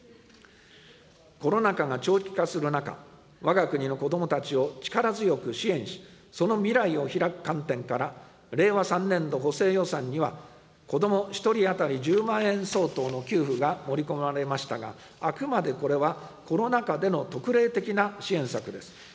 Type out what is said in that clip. コロナ禍が長期化する中、わが国の子どもたちを力強く支援し、その未来をひらく観点から、令和３年度補正予算には、子ども１人当たり１０万円相当の給付が盛り込まれましたが、あくまでこれは、コロナ禍での特例的な支援策です。